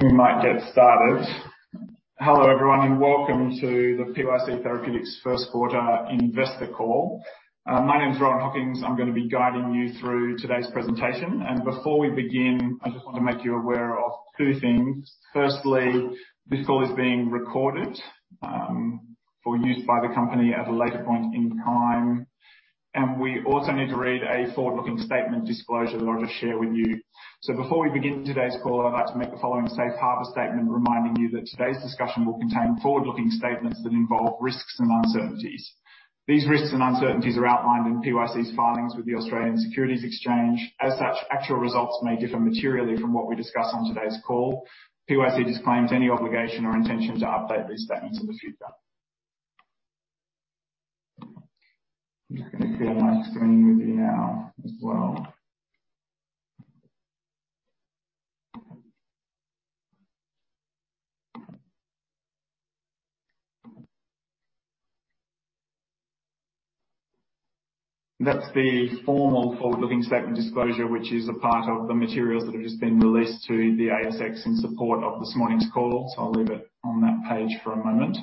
We might get started. Hello, everyone, and welcome to the PYC Therapeutics first quarter investor call. My name is Rohan Hockings. I'm gonna be guiding you through today's presentation. Before we begin, I just want to make you aware of two things. Firstly, this call is being recorded, for use by the company at a later point in time. We also need to read a forward-looking statement disclosure that I'll just share with you. Before we begin today's call, I'd like to make the following safe harbor statement reminding you that today's discussion will contain forward-looking statements that involve risks and uncertainties. These risks and uncertainties are outlined in PYC's filings with the Australian Securities Exchange. As such, actual results may differ materially from what we discuss on today's call. PYC disclaims any obligation or intention to update these statements in the future. I'm just gonna share my screen with you now as well. That's the formal forward-looking statement disclosure, which is a part of the materials that have just been released to the ASX in support of this morning's call. So I'll leave it on that page for a moment.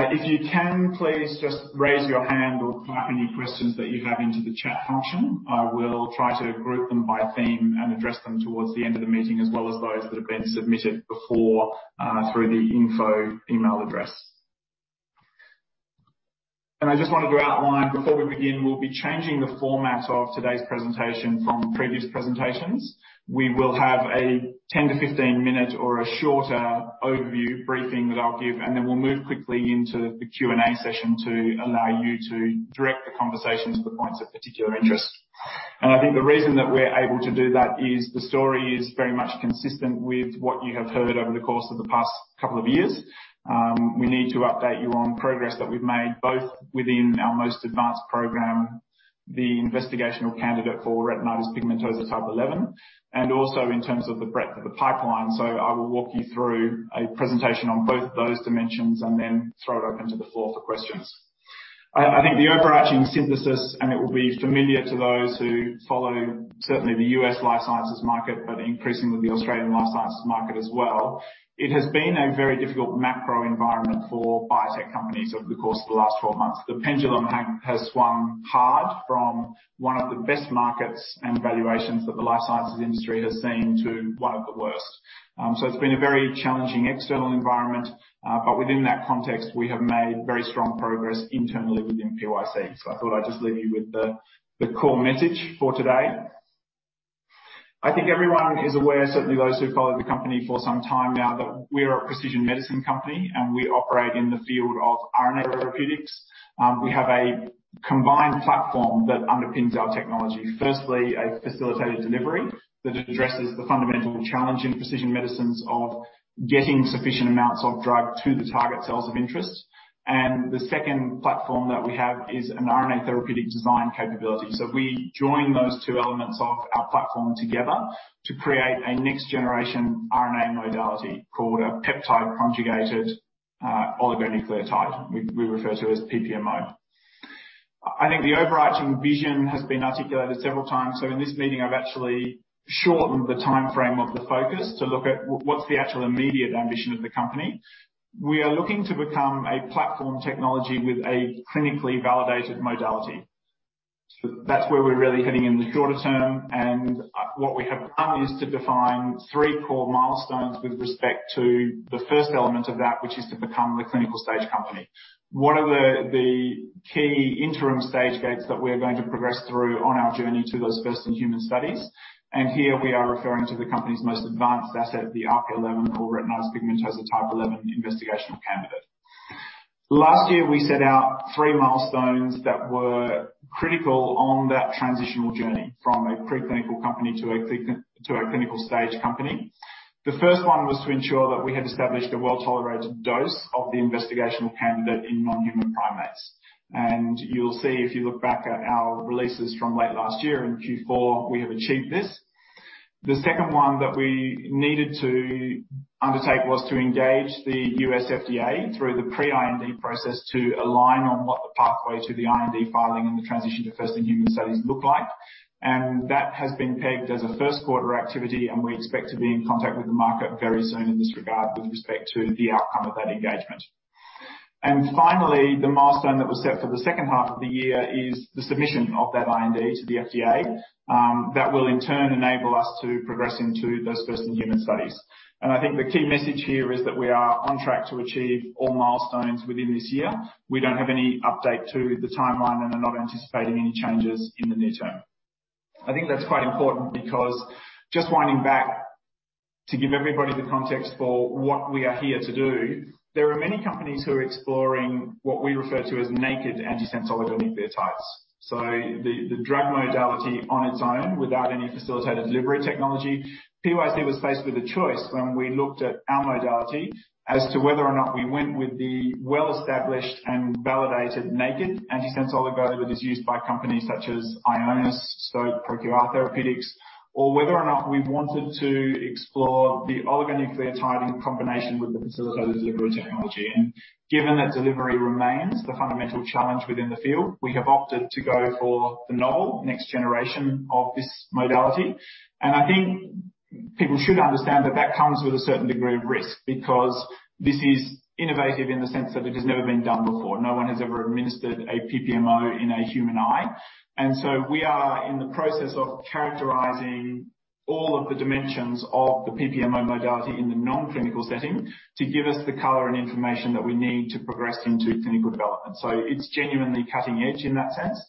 If you can, please just raise your hand or type any questions that you have into the chat function. I will try to group them by theme and address them towards the end of the meeting, as well as those that have been submitted before through the info email address. I just wanted to outline before we begin, we'll be changing the format of today's presentation from previous presentations. We will have a 10-15-minute or a shorter overview briefing that I'll give, and then we'll move quickly into the Q&A session to allow you to direct the conversation to the points of particular interest. I think the reason that we're able to do that is the story is very much consistent with what you have heard over the course of the past couple of years. We need to update you on progress that we've made, both within our most advanced program, the investigational candidate for Retinitis Pigmentosa type 11, and also in terms of the breadth of the pipeline. I will walk you through a presentation on both those dimensions and then throw it open to the floor for questions. I think the overarching synthesis, and it will be familiar to those who follow certainly the U.S. life sciences market, but increasingly the Australian life sciences market as well, it has been a very difficult macro environment for biotech companies over the course of the last 12 months. The pendulum has swung hard from one of the best markets and valuations that the life sciences industry has seen to one of the worst. It's been a very challenging external environment, but within that context, we have made very strong progress internally within PYC. I thought I'd just leave you with the core message for today. I think everyone is aware, certainly those who've followed the company for some time now, that we are a precision medicine company, and we operate in the field of RNA therapeutics. We have a combined platform that underpins our technology. Firstly, a facilitated delivery that addresses the fundamental challenge in precision medicines of getting sufficient amounts of drug to the target cells of interest. The second platform that we have is an RNA therapeutic design capability. We join those two elements of our platform together to create a next-generation RNA modality called a Peptide Conjugated Oligonucleotide we refer to as PPMO. I think the overarching vision has been articulated several times. In this meeting I've actually shortened the timeframe of the focus to look at what's the actual immediate ambition of the company. We are looking to become a platform technology with a clinically validated modality. That's where we're really heading in the shorter term, and what we have done is to define three core milestones with respect to the first element of that, which is to become a clinical stage company. One of the key interim stage gates that we're going to progress through on our journey to those first in human studies, and here we are referring to the company's most advanced asset, the RP11 or Retinitis Pigmentosa type 11 investigational candidate. Last year we set out three milestones that were critical on that transitional journey from a pre-clinical company to a clinical stage company. The first one was to ensure that we had established a well-tolerated dose of the investigational candidate in non-human primates. You'll see if you look back at our releases from late last year in Q4, we have achieved this. The second one that we needed to undertake was to engage the U.S. FDA through the pre-IND process to align on what the pathway to the IND filing and the transition to first in human studies look like. That has been pegged as a first quarter activity, and we expect to be in contact with the market very soon in this regard with respect to the outcome of that engagement. Finally, the milestone that was set for the second half of the year is the submission of that IND to the FDA, that will in turn enable us to progress into those first in human studies. I think the key message here is that we are on track to achieve all milestones within this year. We don't have any update to the timeline and are not anticipating any changes in the near term. I think that's quite important because just winding back to give everybody the context for what we are here to do, there are many companies who are exploring what we refer to as naked antisense oligonucleotides. So the drug modality on its own without any facilitated delivery technology. PYC was faced with a choice when we looked at our modality as to whether or not we went with the well-established and validated naked antisense oligonucleotide that's used by companies such as Ionis, Stoke, ProQR Therapeutics, or whether or not we wanted to explore the oligonucleotide in combination with the facilitated delivery technology. Given that delivery remains the fundamental challenge within the field, we have opted to go for the novel next generation of this modality. I think people should understand that that comes with a certain degree of risk, because this is innovative in the sense that it has never been done before. No one has ever administered a PPMO in a human eye. We are in the process of characterizing all of the dimensions of the PPMO modality in the non-clinical setting to give us the color and information that we need to progress into clinical development. It's genuinely cutting edge in that sense.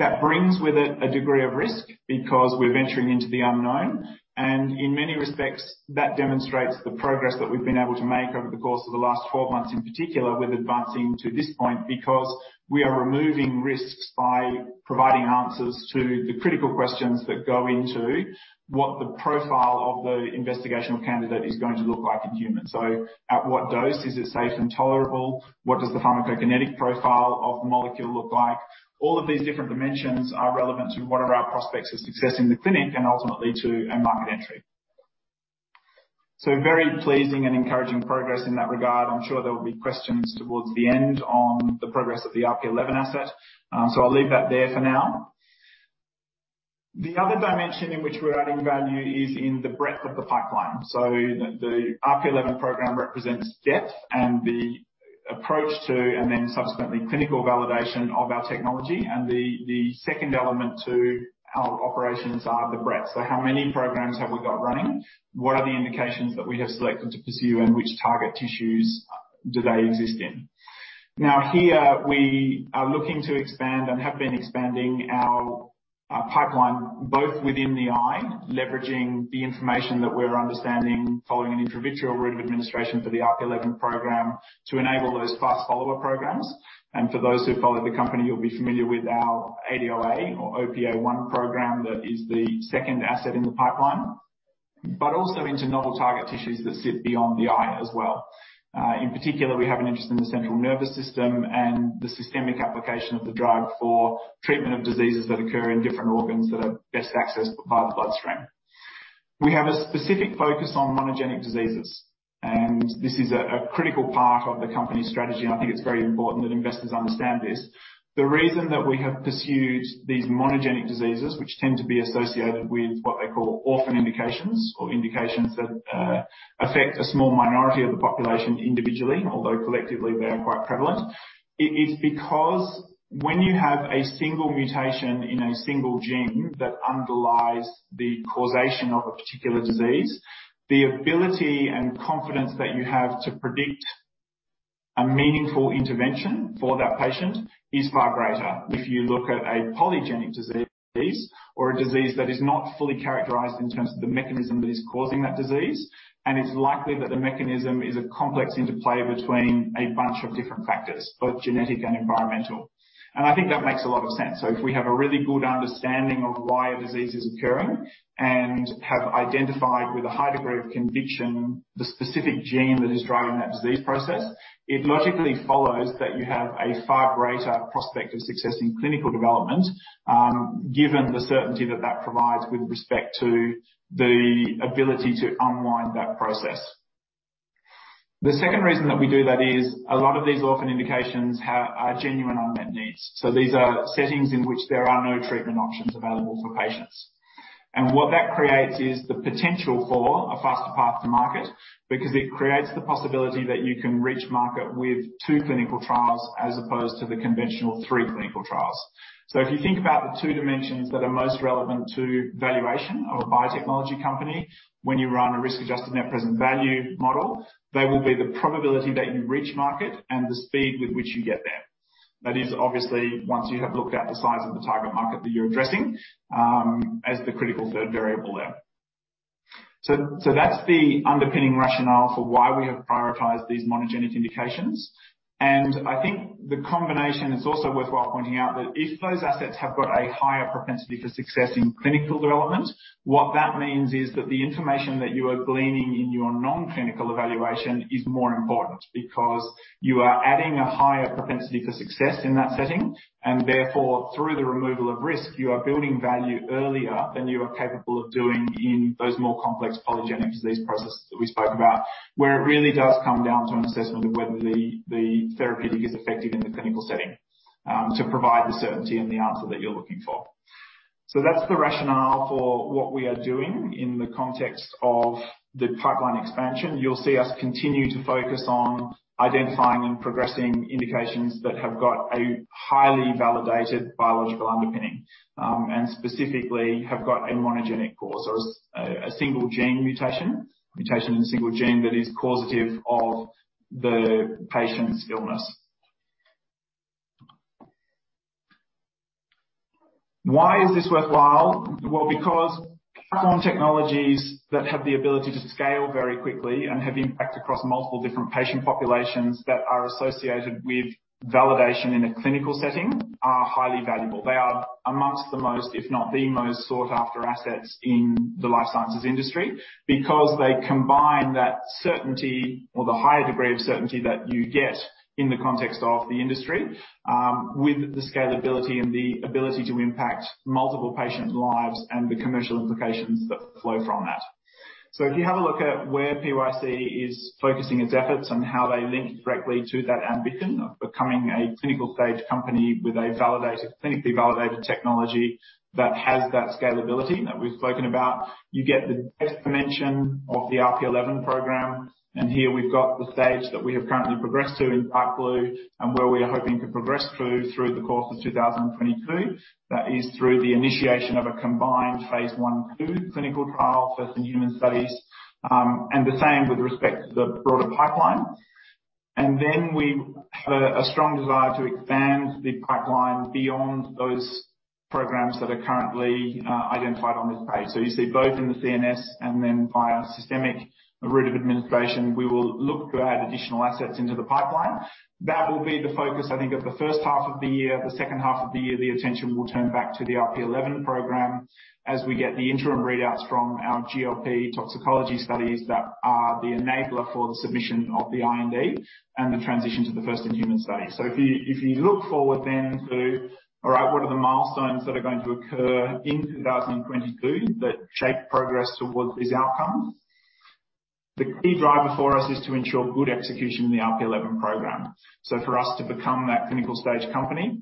That brings with it a degree of risk because we're venturing into the unknown, and in many respects, that demonstrates the progress that we've been able to make over the course of the last 12 months, in particular, with advancing to this point, because we are removing risks by providing answers to the critical questions that go into what the profile of the investigational candidate is going to look like in humans. At what dose is it safe and tolerable? What does the pharmacokinetic profile of the molecule look like? All of these different dimensions are relevant to what are our prospects of success in the clinic and ultimately to a market entry. Very pleasing and encouraging progress in that regard. I'm sure there will be questions towards the end on the progress of the RP11 asset. I'll leave that there for now. The other dimension in which we're adding value is in the breadth of the pipeline. The RP11 program represents depth and the approach to and then subsequently clinical validation of our technology. The second element to our operations are the breadth. How many programs have we got running? What are the indications that we have selected to pursue, and which target tissues do they exist in? Now, here we are looking to expand and have been expanding our pipeline both within the eye, leveraging the information that we're understanding following an intravitreal route of administration for the RP11 program to enable those fast follower programs. For those who followed the company, you'll be familiar with our ADOA or OPA1 program that is the second asset in the pipeline, but also into novel target tissues that sit beyond the eye as well. In particular, we have an interest in the central nervous system and the systemic application of the drug for treatment of diseases that occur in different organs that are best accessed via the bloodstream. We have a specific focus on monogenic diseases, and this is a critical part of the company's strategy, and I think it's very important that investors understand this. The reason that we have pursued these monogenic diseases, which tend to be associated with what they call orphan indications or indications that affect a small minority of the population individually, although collectively they are quite prevalent. It is because when you have a single mutation in a single gene that underlies the causation of a particular disease, the ability and confidence that you have to predict a meaningful intervention for that patient is far greater. If you look at a polygenic disease or a disease that is not fully characterized in terms of the mechanism that is causing that disease, and it's likely that the mechanism is a complex interplay between a bunch of different factors, both genetic and environmental. I think that makes a lot of sense. If we have a really good understanding of why a disease is occurring and have identified with a high degree of conviction the specific gene that is driving that disease process, it logically follows that you have a far greater prospect of success in clinical development, given the certainty that that provides with respect to the ability to unwind that process. The second reason that we do that is a lot of these orphan indications are genuine unmet needs. These are settings in which there are no treatment options available for patients. What that creates is the potential for a faster path to market, because it creates the possibility that you can reach market with two clinical trials as opposed to the conventional three clinical trials. If you think about the two dimensions that are most relevant to valuation of a biotechnology company, when you run a risk-adjusted net present value model, they will be the probability that you reach market and the speed with which you get there. That is obviously once you have looked at the size of the target market that you're addressing, as the critical third variable there. That's the underpinning rationale for why we have prioritized these monogenic indications. I think the combination, it's also worthwhile pointing out that if those assets have got a higher propensity for success in clinical development, what that means is that the information that you are gleaning in your non-clinical evaluation is more important because you are adding a higher propensity for success in that setting. Therefore, through the removal of risk, you are building value earlier than you are capable of doing in those more complex polygenic disease processes that we spoke about, where it really does come down to an assessment of whether the therapeutic is effective in the clinical setting, to provide the certainty and the answer that you're looking for. That's the rationale for what we are doing in the context of the pipeline expansion. You'll see us continue to focus on identifying and progressing indications that have got a highly validated biological underpinning, and specifically have got a monogenic cause or a single gene mutation in a single gene that is causative of the patient's illness. Why is this worthwhile? Well, because platform technologies that have the ability to scale very quickly and have impact across multiple different patient populations that are associated with validation in a clinical setting are highly valuable. They are amongst the most, if not the most sought-after assets in the life sciences industry because they combine that certainty or the higher degree of certainty that you get in the context of the industry, with the scalability and the ability to impact multiple patient lives and the commercial implications that flow from that. If you have a look at where PYC is focusing its efforts on how they link directly to that ambition of becoming a clinical-stage company with a validated, clinically validated technology that has that scalability that we've spoken about, you get the best dimension of the RP11 program. Here we've got the stage that we have currently progressed to in dark blue and where we are hoping to progress through the course of 2022. That is through the initiation of a combined phase I/II clinical trial, first in human studies, and the same with respect to the broader pipeline. We have a strong desire to expand the pipeline beyond those programs that are currently identified on this page. You see both in the CNS and then via systemic route of administration, we will look to add additional assets into the pipeline. That will be the focus, I think, of the first half of the year. The second half of the year, the attention will turn back to the RP11 program as we get the interim readouts from our GLP toxicology studies that are the enabler for the submission of the IND and the transition to the first in human study. If you look forward, what are the milestones that are going to occur in 2022 that shape progress towards these outcomes, the key driver for us is to ensure good execution in the RP11 program. For us to become that clinical-stage company,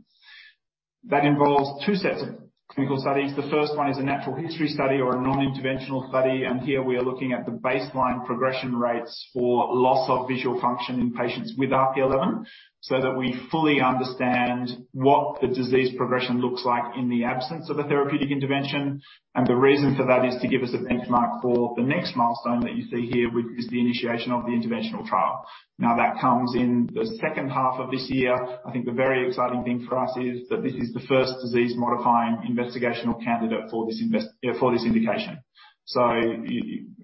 that involves two sets of clinical studies. The first one is a natural history study or a non-interventional study, and here we are looking at the baseline progression rates for loss of visual function in patients with RP 11, so that we fully understand what the disease progression looks like in the absence of a therapeutic intervention. The reason for that is to give us a benchmark for the next milestone that you see here, which is the initiation of the interventional trial. Now, that comes in the second half of this year. I think the very exciting thing for us is that this is the first disease modifying investigational candidate for this indication.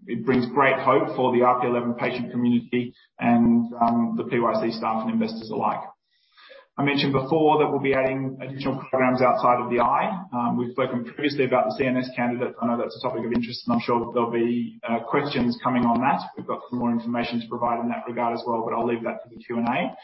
It brings great hope for the RP 11 patient community and the PYC staff and investors alike. I mentioned before that we'll be adding additional programs outside of the eye. We've spoken previously about the CNS candidate. I know that's a topic of interest, and I'm sure there'll be questions coming on that. We've got some more information to provide in that regard as well, but I'll leave that to the Q&A.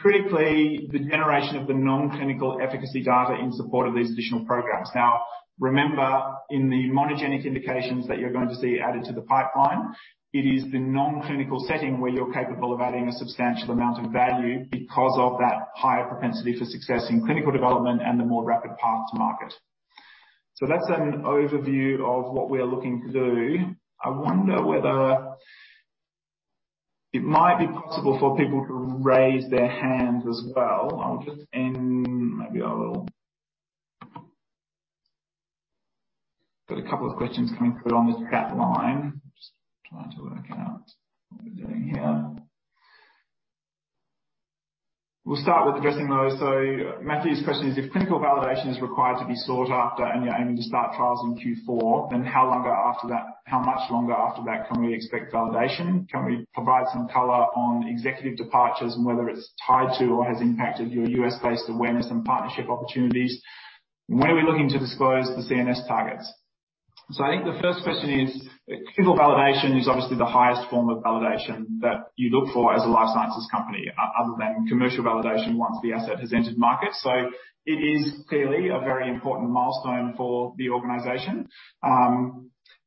Critically, the generation of the non-clinical efficacy data in support of these additional programs. Now, remember, in the monogenic indications that you're going to see added to the pipeline, it is the non-clinical setting where you're capable of adding a substantial amount of value because of that higher propensity for success in clinical development and the more rapid path to market. That's an overview of what we are looking to do. I wonder whether it might be possible for people to raise their hands as well. I'll just end. Maybe I'll get a couple of questions coming through on this chat line. Just trying to work out what we're doing here. We'll start with addressing those. Matthew's question is, if clinical validation is required to be sought after and you're aiming to start trials in Q4, then how longer after that, how much longer after that can we expect validation? Can we provide some color on executive departures and whether it's tied to or has impacted your U.S.-based awareness and partnership opportunities? When are we looking to disclose the CNS targets? I think the first question is, clinical validation is obviously the highest form of validation that you look for as a life sciences company, other than commercial validation once the asset has entered market. It is clearly a very important milestone for the organization.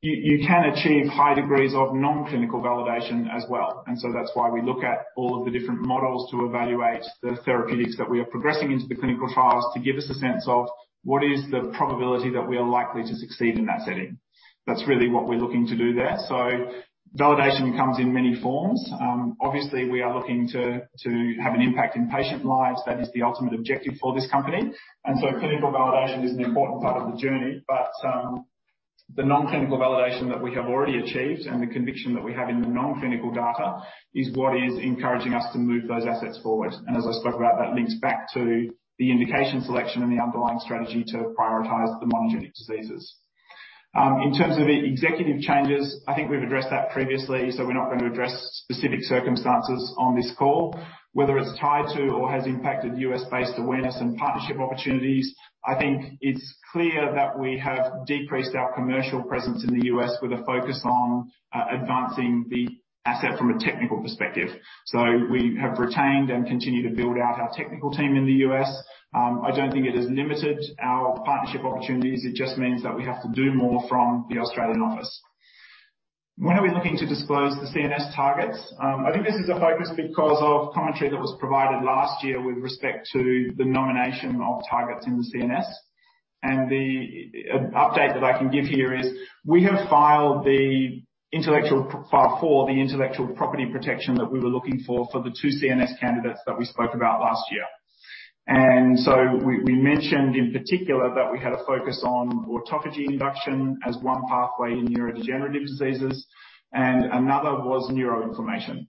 You can achieve high degrees of non-clinical validation as well. That's why we look at all of the different models to evaluate the therapeutics that we are progressing into the clinical trials to give us a sense of what is the probability that we are likely to succeed in that setting. That's really what we're looking to do there. Validation comes in many forms. Obviously, we are looking to have an impact in patient lives. That is the ultimate objective for this company. Clinical validation is an important part of the journey. The non-clinical validation that we have already achieved and the conviction that we have in the non-clinical data is what is encouraging us to move those assets forward. As I spoke about, that links back to the indication selection and the underlying strategy to prioritize the monogenic diseases. In terms of executive changes, I think we've addressed that previously, so we're not going to address specific circumstances on this call, whether it's tied to or has impacted U.S.-based awareness and partnership opportunities. I think it's clear that we have decreased our commercial presence in the U.S. with a focus on advancing the asset from a technical perspective. We have retained and continue to build out our technical team in the U.S. I don't think it has limited our partnership opportunities. It just means that we have to do more from the Australian office. When are we looking to disclose the CNS targets? I think this is a focus because of commentary that was provided last year with respect to the nomination of targets in the CNS. The update that I can give here is we have filed for the intellectual property protection that we were looking for the two CNS candidates that we spoke about last year. We mentioned in particular that we had a focus on autophagy induction as one pathway in neurodegenerative diseases, and another was neuroinflammation.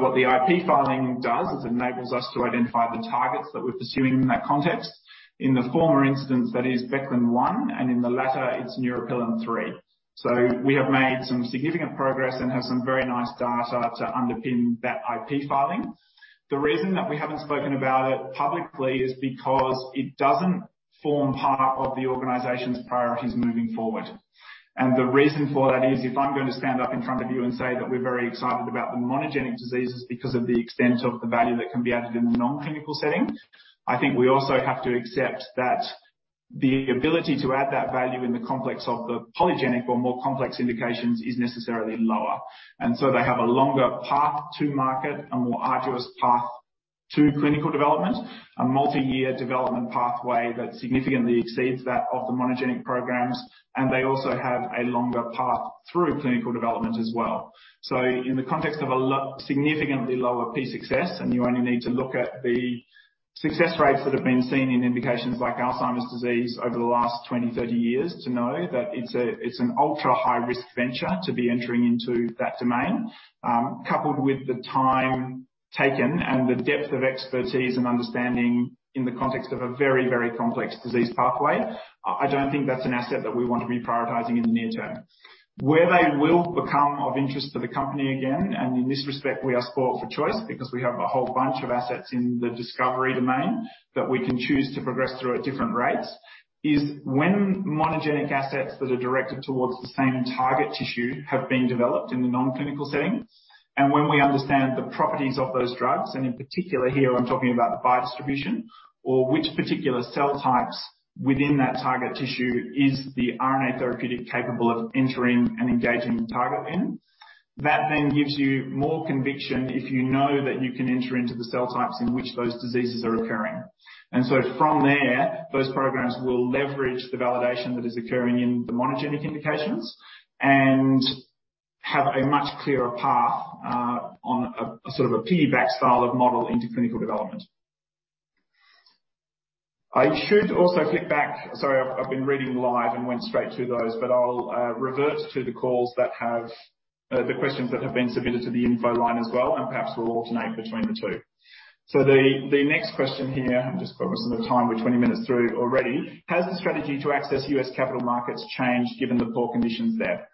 What the IP filing does is enables us to identify the targets that we're pursuing in that context. In the former instance, that is Beclin 1, and in the latter it's NLRP3. We have made some significant progress and have some very nice data to underpin that IP filing. The reason that we haven't spoken about it publicly is because it doesn't form part of the organization's priorities moving forward. The reason for that is, if I'm going to stand up in front of you and say that we're very excited about the monogenic diseases because of the extent of the value that can be added in the non-clinical setting, I think we also have to accept that the ability to add that value in the complex of the polygenic or more complex indications is necessarily lower. They have a longer path to market, a more arduous path to clinical development, a multi-year development pathway that significantly exceeds that of the monogenic programs. They also have a longer path through clinical development as well. In the context of a significantly lower P success, and you only need to look at the success rates that have been seen in indications like Alzheimer's disease over the last 20, 30 years, to know that it's a, it's an ultra-high risk venture to be entering into that domain, coupled with the time taken and the depth of expertise and understanding in the context of a very, very complex disease pathway. I don't think that's an asset that we want to be prioritizing in the near term. Where they will become of interest to the company again, and in this respect, we are spoiled for choice because we have a whole bunch of assets in the discovery domain that we can choose to progress through at different rates, is when monogenic assets that are directed towards the same target tissue have been developed in the non-clinical setting. When we understand the properties of those drugs, and in particular here, I'm talking about the biodistribution or which particular cell types within that target tissue is the RNA therapeutic capable of entering and engaging the target in. That then gives you more conviction if you know that you can enter into the cell types in which those diseases are occurring. From there, those programs will leverage the validation that is occurring in the monogenic indications and have a much clearer path on a sort of a piggyback style of model into clinical development. I should also flick back. Sorry, I've been reading live and went straight to those, but I'll revert to the calls that have the questions that have been submitted to the info line as well, and perhaps we'll alternate between the two. The next question here, I'm just focusing on the time. We're 20 minutes through already. Has the strategy to access U.S. capital markets changed given the poor conditions there?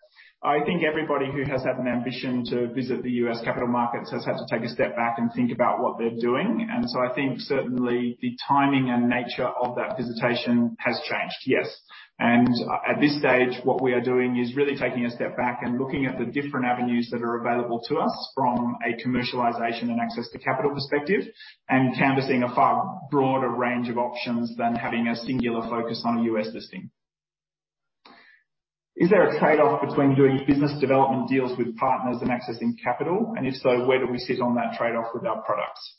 I think everybody who has had an ambition to visit the U.S. capital markets has had to take a step back and think about what they're doing. I think certainly the timing and nature of that visitation has changed, yes. At this stage, what we are doing is really taking a step back and looking at the different avenues that are available to us from a commercialization and access to capital perspective, and canvassing a far broader range of options than having a singular focus on a U.S. listing. Is there a trade-off between doing business development deals with partners and accessing capital? If so, where do we sit on that trade-off with our products?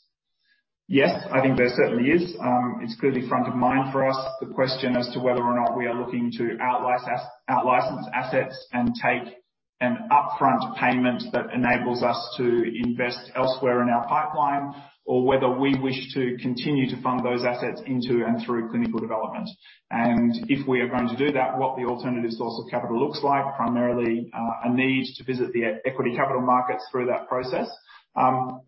Yes, I think there certainly is. It's clearly front of mind for us. The question as to whether or not we are looking to outlicense assets and take an upfront payment that enables us to invest elsewhere in our pipeline or whether we wish to continue to fund those assets into and through clinical development. If we are going to do that, what the alternative source of capital looks like, primarily, a need to visit the equity capital markets through that process.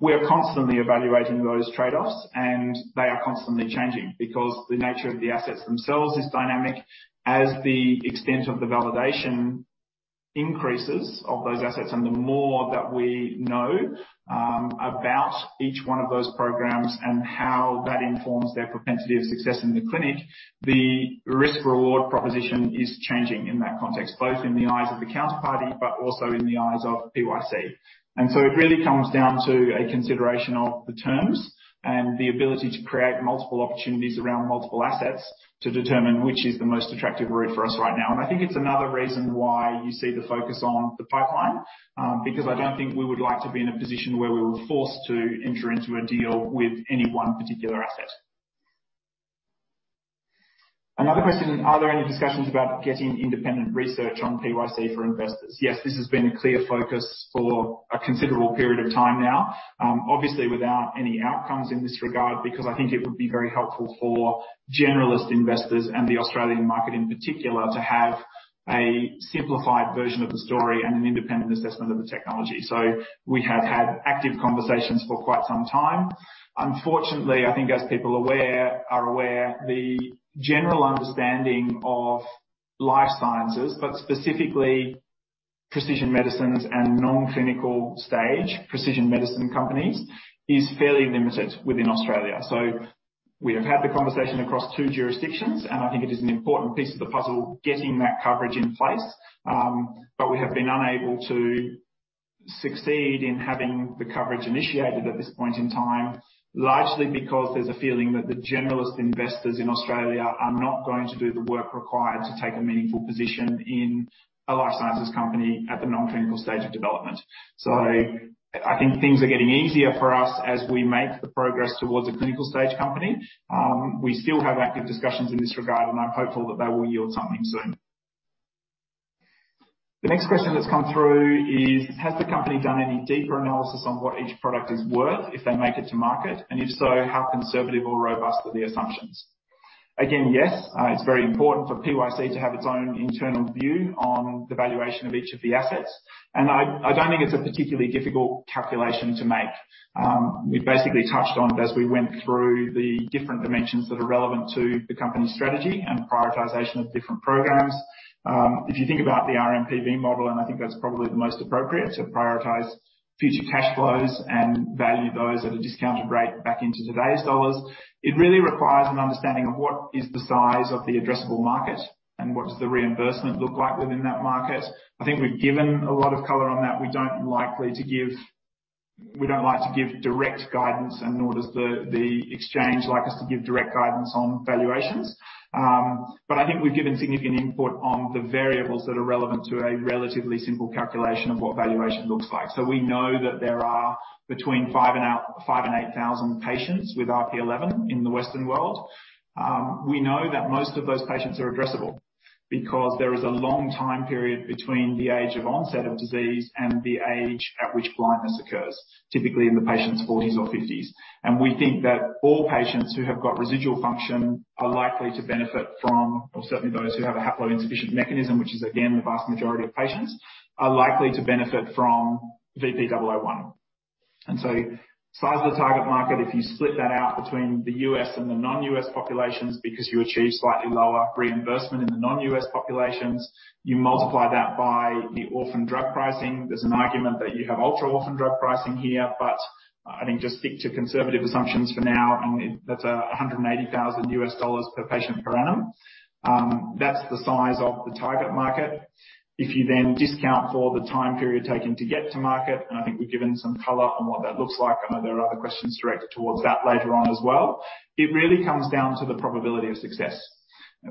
We are constantly evaluating those trade-offs, and they are constantly changing because the nature of the assets themselves is dynamic. As the extent of the validation increases of those assets and the more that we know about each one of those programs and how that informs their propensity of success in the clinic, the risk/reward proposition is changing in that context, both in the eyes of the counterparty, but also in the eyes of PYC. It really comes down to a consideration of the terms and the ability to create multiple opportunities around multiple assets to determine which is the most attractive route for us right now. I think it's another reason why you see the focus on the pipeline, because I don't think we would like to be in a position where we were forced to enter into a deal with any one particular asset. Another question, are there any discussions about getting independent research on PYC for investors? Yes, this has been a clear focus for a considerable period of time now, obviously without any outcomes in this regard, because I think it would be very helpful for generalist investors and the Australian market in particular to have a simplified version of the story and an independent assessment of the technology. We have had active conversations for quite some time. Unfortunately, I think as people are aware, the general understanding of life sciences, but specifically precision medicines and non-clinical stage precision medicine companies, is fairly limited within Australia. We have had the conversation across two jurisdictions, and I think it is an important piece of the puzzle getting that coverage in place. We have been unable to succeed in having the coverage initiated at this point in time, largely because there's a feeling that the generalist investors in Australia are not going to do the work required to take a meaningful position in a life sciences company at the non-clinical stage of development. I think things are getting easier for us as we make the progress towards a clinical stage company. We still have active discussions in this regard, and I'm hopeful that they will yield something soon. The next question that's come through is, has the company done any deeper analysis on what each product is worth if they make it to market? If so, how conservative or robust are the assumptions? Again, yes. It's very important for PYC to have its own internal view on the valuation of each of the assets. I don't think it's a particularly difficult calculation to make. We basically touched on it as we went through the different dimensions that are relevant to the company's strategy and prioritization of different programs. If you think about the rNPV model, I think that's probably the most appropriate to prioritize future cash flows and value those at a discounted rate back into today's dollars. It really requires an understanding of what is the size of the addressable market and what does the reimbursement look like within that market. I think we've given a lot of color on that. We don't likely to give... We don't like to give direct guidance, and nor does the exchange like us to give direct guidance on valuations. I think we've given significant input on the variables that are relevant to a relatively simple calculation of what valuation looks like. We know that there are between 5,000 and 8,000 patients with RP11 in the Western world. We know that most of those patients are addressable because there is a long time period between the age of onset of disease and the age at which blindness occurs, typically in the patient's forties or fifties. We think that all patients who have got residual function are likely to benefit from, or certainly those who have a haploinsufficient mechanism, which is again, the vast majority of patients, are likely to benefit from VP-001. Size of the target market, if you split that out between the U.S. and the non-U.S. populations, because you achieve slightly lower reimbursement in the non-U.S. populations, you multiply that by the orphan drug pricing. There's an argument that you have ultra orphan drug pricing here, but I think just stick to conservative assumptions for now, and that's $180,000 per patient per annum. That's the size of the target market. If you then discount for the time period taking to get to market, and I think we've given some color on what that looks like. I know there are other questions directed towards that later on as well. It really comes down to the probability of success.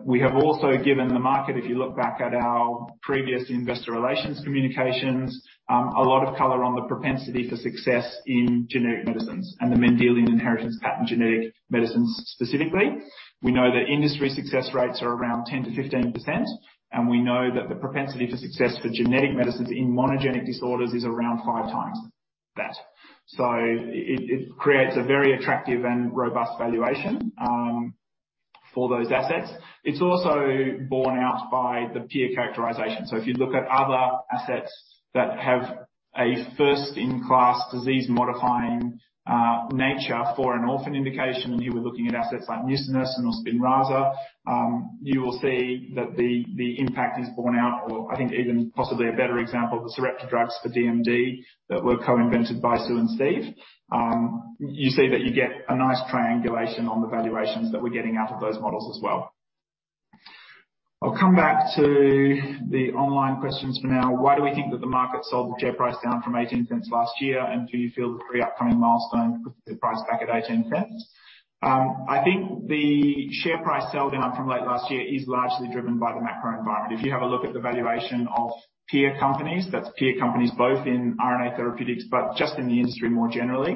We have also given the market, if you look back at our previous investor relations communications, a lot of color on the propensity for success in genetic medicines and the Mendelian inheritance pattern, genetic medicines specifically. We know that industry success rates are around 10%-15%, and we know that the propensity for success for genetic medicines in monogenic disorders is around five times that. It creates a very attractive and robust valuation for those assets. It's also borne out by the peer characterization. If you look at other assets that have a first-in-class disease-modifying nature for an orphan indication, and here we're looking at assets like nusinersen or SPINRAZA, you will see that the impact is borne out or I think even possibly a better example, the Sarepta drugs for DMD that were co-invented by Sue and Steve. You see that you get a nice triangulation on the valuations that we're getting out of those models as well. I'll come back to the online questions for now. Why do we think that the market sold the share price down from 0.18 last year? Do you feel the three upcoming milestones put the price back at 0.18? I think the share price sell down from late last year is largely driven by the macro environment. If you have a look at the valuation of peer companies, that's peer companies both in RNA therapeutics, but just in the industry more generally,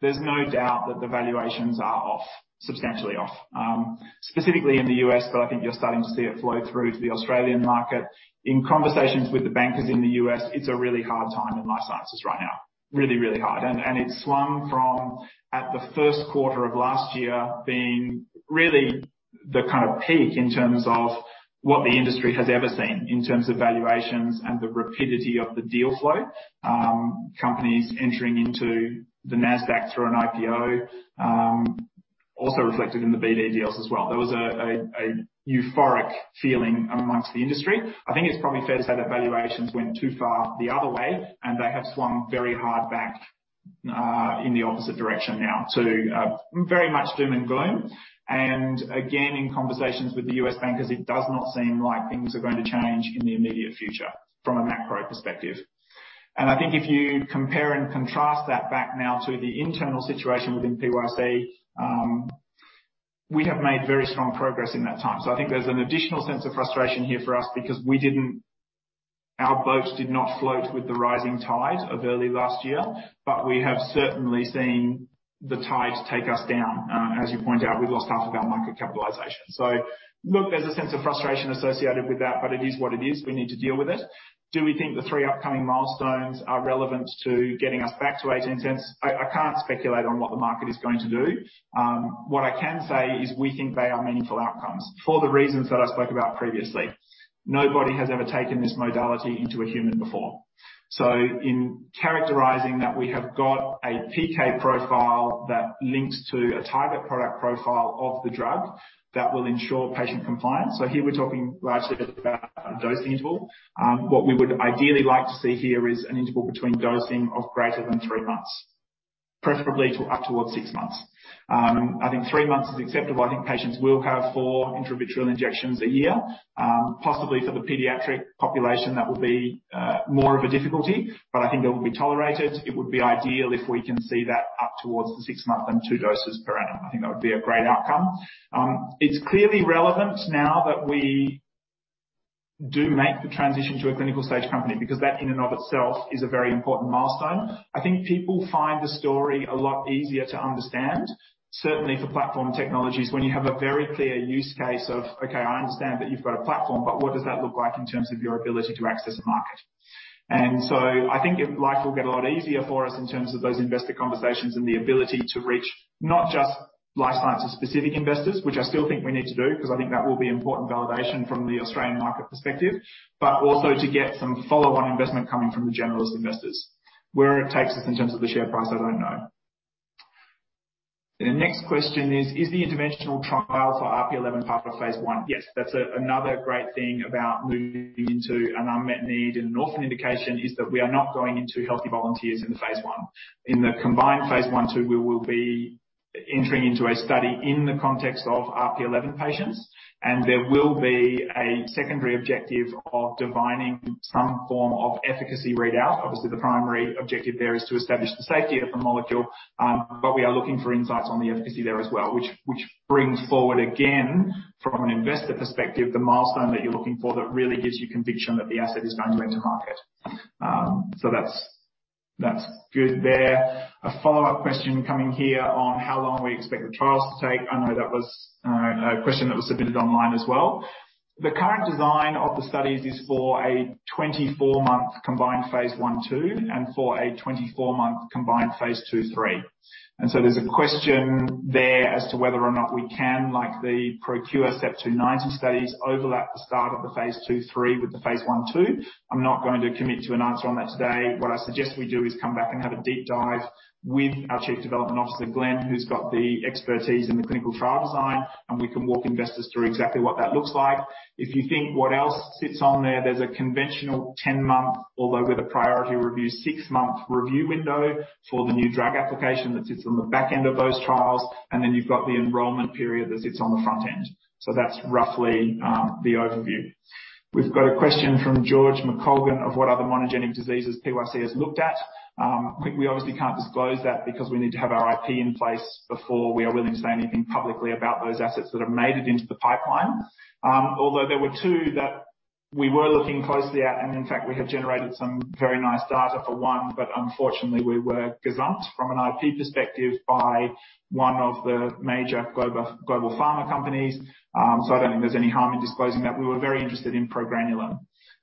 there's no doubt that the valuations are off, substantially off, specifically in the U.S., but I think you're starting to see it flow through to the Australian market. In conversations with the bankers in the U.S., it's a really hard time in life sciences right now. Really, really hard. It's swung from, at the first quarter of last year being really the kind of peak in terms of what the industry has ever seen in terms of valuations and the rapidity of the deal flow. Companies entering into the Nasdaq through an IPO, also reflected in the BD deals as well. There was a euphoric feeling amongst the industry. I think it's probably fair to say that valuations went too far the other way, and they have swung very hard back in the opposite direction now to very much doom and gloom. Again, in conversations with the U.S. bankers, it does not seem like things are going to change in the immediate future from a macro perspective. I think if you compare and contrast that back now to the internal situation within PYC, we have made very strong progress in that time. I think there's an additional sense of frustration here for us because our boats did not float with the rising tide of early last year, but we have certainly seen the tides take us down. As you point out, we've lost half of our market capitalization. Look, there's a sense of frustration associated with that, but it is what it is. We need to deal with it. Do we think the three upcoming milestones are relevant to getting us back toAUD 0.18? I can't speculate on what the market is going to do. What I can say is we think they are meaningful outcomes for the reasons that I spoke about previously. Nobody has ever taken this modality into a human before. In characterizing that, we have got a PK profile that links to a target product profile of the drug that will ensure patient compliance. Here we're talking largely about a dosing interval. What we would ideally like to see here is an interval between dosing of greater than three months, preferably to up towards six months. I think three months is acceptable. I think patients will have four intravitreal injections a year. Possibly for the pediatric population, that will be more of a difficulty, but I think it will be tolerated. It would be ideal if we can see that up towards the six months and two doses per annum. I think that would be a great outcome. It's clearly relevant now that we do make the transition to a clinical stage company because that in and of itself is a very important milestone. I think people find the story a lot easier to understand, certainly for platform technologies, when you have a very clear use case of, okay, I understand that you've got a platform, but what does that look like in terms of your ability to access a market? I think life will get a lot easier for us in terms of those investor conversations and the ability to reach not just life sciences or specific investors, which I still think we need to do, 'cause I think that will be important validation from the Australian market perspective, but also to get some follow-on investment coming from the generalist investors. Where it takes us in terms of the share price, I don't know. The next question is the interventional trial for RP11 part of phase I? Yes. That's another great thing about moving into an unmet need in an orphan indication, is that we are not going into healthy volunteers in the phase I. In the combined phase I/II, we will be entering into a study in the context of RP11 patients, and there will be a secondary objective of defining some form of efficacy readout. Obviously, the primary objective there is to establish the safety of the molecule, but we are looking for insights on the efficacy there as well, which brings forward again from an investor perspective, the milestone that you're looking for that really gives you conviction that the asset is going to go into market. So that's good there. A follow-up question coming here on how long we expect the trials to take. I know that was a question that was submitted online as well. The current design of the studies is for a 24-month combined phase I/II and for a 24-month combined phase II/III. There's a question there as to whether or not we can, like the ProQR sepofarsen studies, overlap the start of the phase II/III with the phase I/II. I'm not going to commit to an answer on that today. What I suggest we do is come back and have a deep dive with our Chief Development Officer, Glenn, who's got the expertise in the clinical trial design, and we can walk investors through exactly what that looks like. If you think what else sits on there's a conventional 10-month, although with a priority review, six-month review window for the New Drug Application that sits on the back end of those trials, and then you've got the enrollment period that sits on the front end. That's roughly the overview. We've got a question from George McColgan of what other monogenic diseases PYC has looked at. We obviously can't disclose that because we need to have our IP in place before we are willing to say anything publicly about those assets that have made it into the pipeline. Although there were two that we were looking closely at, and in fact, we have generated some very nice data for one, but unfortunately, we were gazumped from an IP perspective by one of the major global pharma companies. I don't think there's any harm in disclosing that. We were very interested in progranulin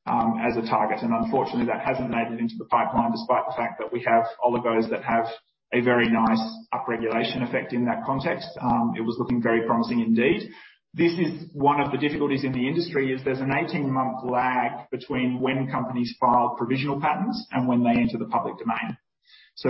as a target, and unfortunately, that hasn't made it into the pipeline despite the fact that we have oligos that have a very nice upregulation effect in that context. It was looking very promising indeed. This is one of the difficulties in the industry, is there's an 18-month lag between when companies file provisional patents and when they enter the public domain.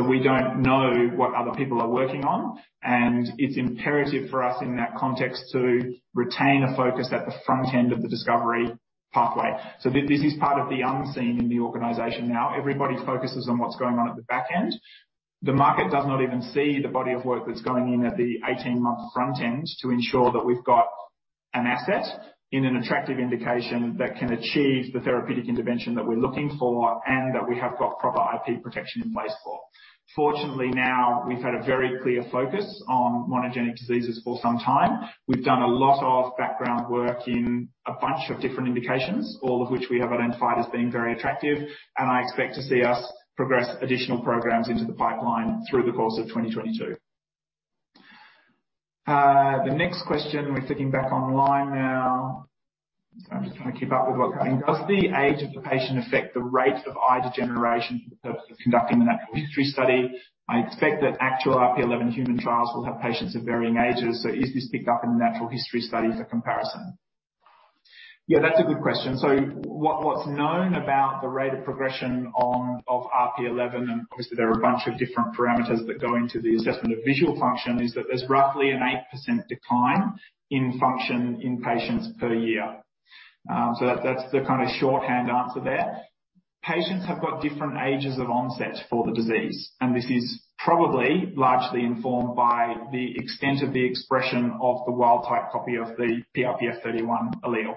We don't know what other people are working on, and it's imperative for us in that context to retain a focus at the front end of the discovery pathway. This is part of the unseen in the organization now. Everybody focuses on what's going on at the back end. The market does not even see the body of work that's going in at the 18-month front end to ensure that we've got an asset in an attractive indication that can achieve the therapeutic intervention that we're looking for and that we have got proper IP protection in place for. Fortunately, now, we've had a very clear focus on monogenic diseases for some time. We've done a lot of background work in a bunch of different indications, all of which we have identified as being very attractive, and I expect to see us progress additional programs into the pipeline through the course of 2022. The next question, we're clicking back online now. I'm just trying to keep up with what. Does the age of the patient affect the rate of eye degeneration for the purpose of conducting the natural history study? I expect that actual RP11 human trials will have patients of varying ages, so is this picked up in the natural history study as a comparison? Yeah, that's a good question. What's known about the rate of progression of RP11, and obviously, there are a bunch of different parameters that go into the assessment of visual function, is that there's roughly an 8% decline in function in patients per year. That's the kinda shorthand answer there. Patients have got different ages of onset for the disease, and this is probably largely informed by the extent of the expression of the wild type copy of the PRPF31 allele.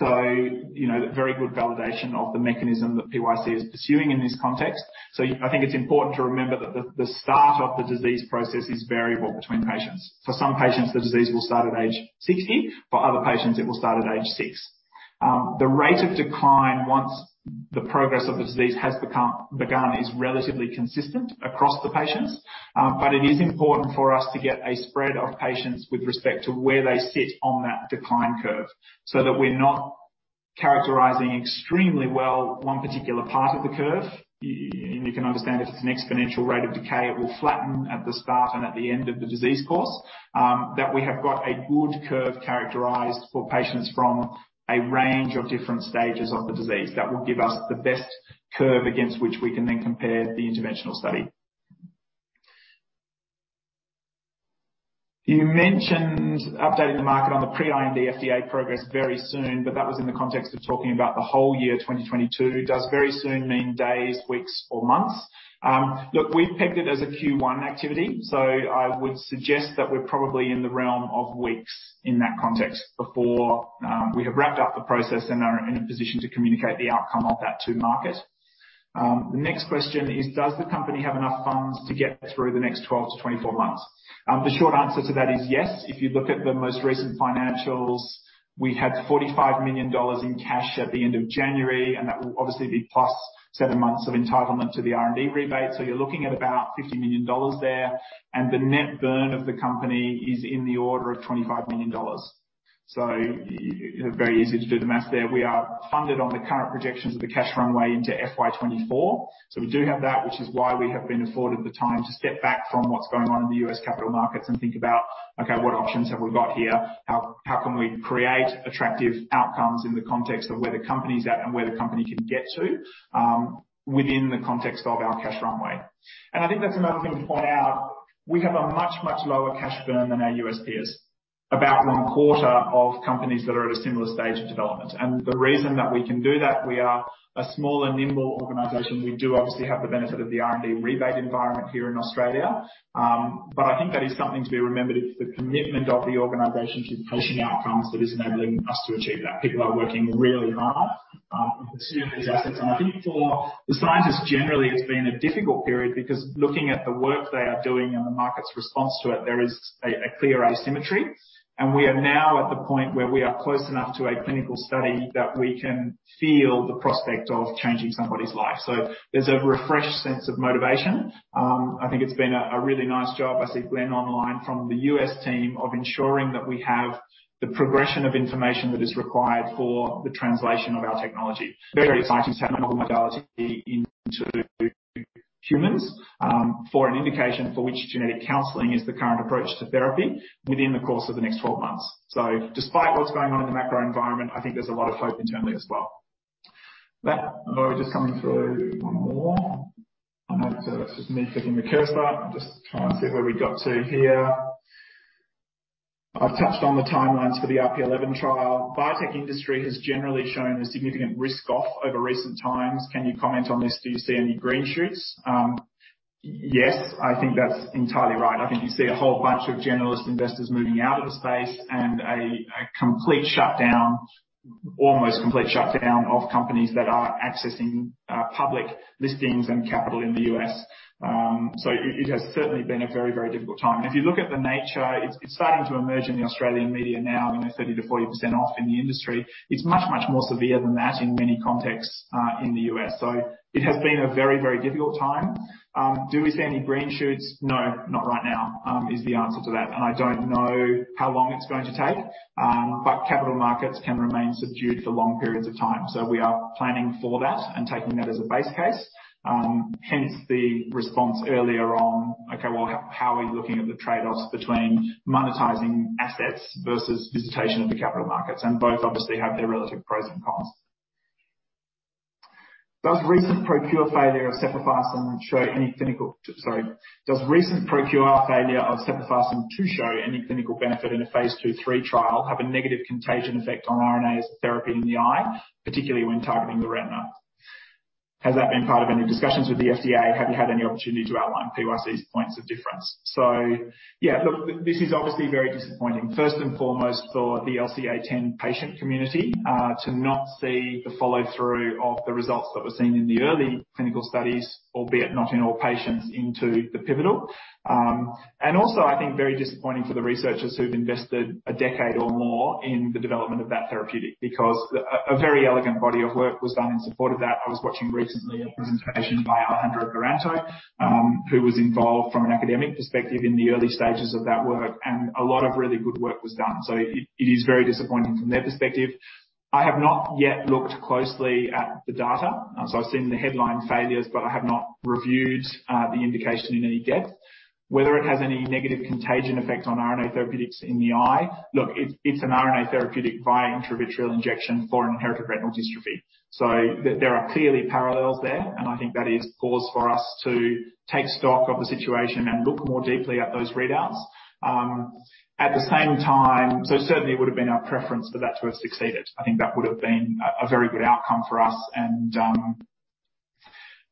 You know, very good validation of the mechanism that PYC is pursuing in this context. I think it's important to remember that the start of the disease process is variable between patients. For some patients, the disease will start at age 60. For other patients, it will start at age six. The rate of decline once the progress of the disease has begun is relatively consistent across the patients. It is important for us to get a spread of patients with respect to where they sit on that decline curve so that we're not characterizing extremely well one particular part of the curve. You can understand if it's an exponential rate of decay, it will flatten at the start and at the end of the disease course, that we have got a good curve characterized for patients from a range of different stages of the disease. That will give us the best curve against which we can then compare the interventional study. You mentioned updating the market on the pre-IND FDA progress very soon, but that was in the context of talking about the whole year 2022. Does very soon mean days, weeks, or months? Look, we've pegged it as a Q1 activity, so I would suggest that we're probably in the realm of weeks in that context before we have wrapped up the process and are in a position to communicate the outcome of that to market. The next question is, does the company have enough funds to get through the next 12-24 months? The short answer to that is yes. If you look at the most recent financials, we had 45 million dollars in cash at the end of January, and that will obviously be plus seven months of entitlement to the R&D rebate. You're looking at about 50 million dollars there, and the net burn of the company is in the order of 25 million dollars. You know, very easy to do the math there. We are funded on the current projections of the cash runway into FY 2024. We do have that, which is why we have been afforded the time to step back from what's going on in the U.S. capital markets and think about, okay, what options have we got here? How can we create attractive outcomes in the context of where the company's at and where the company can get to, within the context of our cash runway? I think that's another thing to point out. We have a much, much lower cash burn than our U.S. peers, about one quarter of companies that are at a similar stage of development. The reason that we can do that, we are a smaller, nimble organization. We do obviously have the benefit of the R&D rebate environment here in Australia. I think that is something to be remembered. It's the commitment of the organization to pushing outcomes that is enabling us to achieve that. People are working really hard to pursue these assets. I think for the scientists generally, it's been a difficult period because looking at the work they are doing and the market's response to it, there is a clear asymmetry. We are now at the point where we are close enough to a clinical study that we can feel the prospect of changing somebody's life. There's a refreshed sense of motivation. I think it's been a really nice job. I see Glenn online from the U.S. team of ensuring that we have the progression of information that is required for the translation of our technology. Very exciting to take another modality into humans, for an indication for which genetic counseling is the current approach to therapy within the course of the next 12 months. Despite what's going on in the macro environment, I think there's a lot of hope internally as well. We're just coming through one more. I know it's just me clicking the cursor. I'm just trying to see where we got to here. I've touched on the timelines for the RP11 trial. Biotech industry has generally shown a significant risk off over recent times. Can you comment on this? Do you see any green shoots? Yes, I think that's entirely right. I think you see a whole bunch of generalist investors moving out of the space and a complete shutdown, almost complete shutdown of companies that are accessing public listings and capital in the U.S. It has certainly been a very, very difficult time. If you look at the nature, it's starting to emerge in the Australian media now, I mean, they're 30%-40% off in the industry. It's much, much more severe than that in many contexts, in the U.S. It has been a very, very difficult time. Do we see any green shoots? No, not right now is the answer to that. I don't know how long it's going to take, but capital markets can remain subdued for long periods of time, so we are planning for that and taking that as a base case. Hence the response earlier on, okay, well, how are we looking at the trade-offs between monetizing assets versus revisitation of the capital markets? Both obviously have their relative pros and cons. Does recent ProQR failure of sepofarsen show any clinical benefit in a phase II/III trial have a negative contagion effect on RNA as a therapy in the eye, particularly when targeting the retina? Has that been part of any discussions with the FDA? Have you had any opportunity to outline PYC's points of difference? Yeah, look, this is obviously very disappointing, first and foremost for the LCA10 patient community, to not see the follow-through of the results that were seen in the early clinical studies, albeit not in all patients into the pivotal. I think, very disappointing for the researchers who've invested a decade or more in the development of that therapeutic because a very elegant body of work was done in support of that. I was watching recently a presentation by Alejandro Garanto, who was involved from an academic perspective in the early stages of that work, and a lot of really good work was done. It is very disappointing from their perspective. I have not yet looked closely at the data. I've seen the headline failures, but I have not reviewed the indication in any depth, whether it has any negative contagion effect on RNA therapeutics in the eye. Look, it's an RNA therapeutic via intravitreal injection for an inherited retinal dystrophy. There are clearly parallels there, and I think that is cause for us to take stock of the situation and look more deeply at those readouts. At the same time, it certainly would have been our preference for that to have succeeded. I think that would have been a very good outcome for us and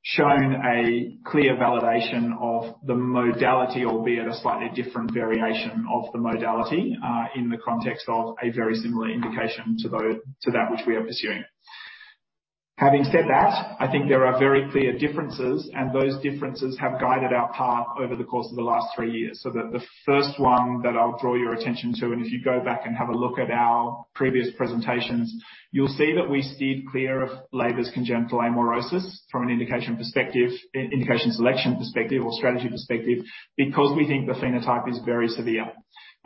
shown a clear validation of the modality, albeit a slightly different variation of the modality, in the context of a very similar indication to that which we are pursuing. Having said that, I think there are very clear differences, and those differences have guided our path over the course of the last three years. The first one that I'll draw your attention to, and if you go back and have a look at our previous presentations, you'll see that we steered clear of Leber's congenital amaurosis from an indication perspective, indication selection perspective or strategy perspective because we think the phenotype is very severe.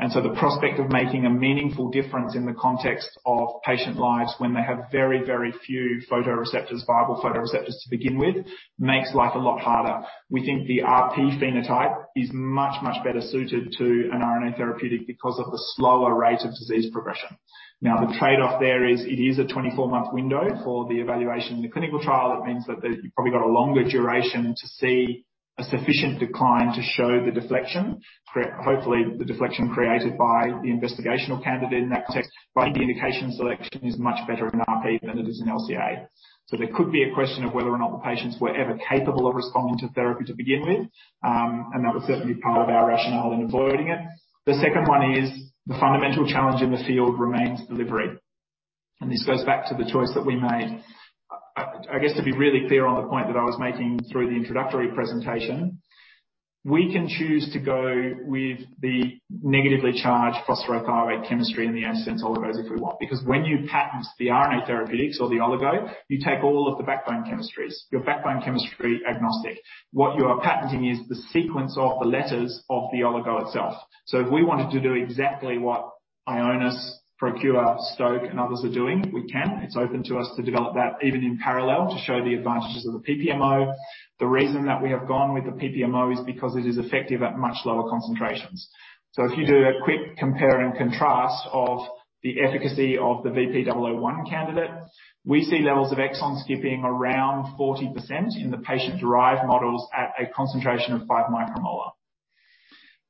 The prospect of making a meaningful difference in the context of patient lives when they have very, very few photoreceptors, viable photoreceptors to begin with, makes life a lot harder. We think the RP phenotype is much, much better suited to an RNA therapeutic because of the slower rate of disease progression. Now, the trade-off there is it is a 24-month window for the evaluation in the clinical trial. That means that they've probably got a longer duration to see a sufficient decline to show the deflection. Hopefully, the deflection created by the investigational candidate in that context. I think the indication selection is much better in RP than it is in LCA. There could be a question of whether or not the patients were ever capable of responding to therapy to begin with. That was certainly part of our rationale in avoiding it. The second one is the fundamental challenge in the field remains delivery. This goes back to the choice that we made. I guess to be really clear on the point that I was making through the introductory presentation, we can choose to go with the negatively charged phosphothioate chemistry in the antisense oligos if we want. Because when you patent the RNA therapeutics or the oligo, you take all of the backbone chemistries. You're backbone chemistry agnostic. What you are patenting is the sequence of the letters of the oligo itself. So if we wanted to do exactly what Ionis, ProQR, Stoke and others are doing, we can. It's open to us to develop that even in parallel to show the advantages of the PPMO. The reason that we have gone with the PPMO is because it is effective at much lower concentrations. If you do a quick compare and contrast of the efficacy of the VP-001 candidate, we see levels of exon skipping around 40% in the patient-derived models at a concentration of 5 micromolar.